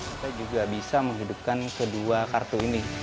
kita juga bisa menghidupkan kedua kartu ini